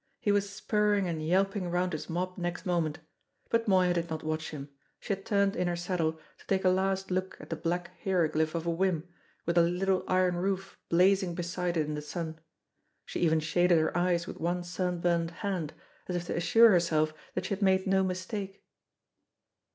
He was spurring and yelping round his mob next moment. But Moya did not watch him; she had turned in her saddle to take a last look at the black hieroglyph of a whim, with the little iron roof blazing beside it in the sun. She even shaded her eyes with one sunburnt hand, as if to assure herself that she had made no mistake.